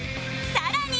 さらに